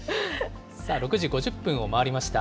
６時５０分を回りました。